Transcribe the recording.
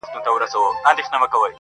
واری د قدرت له نشې مستو لېونیو دی!